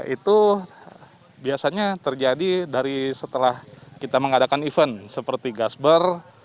itu biasanya terjadi dari setelah kita mengadakan event seperti gasber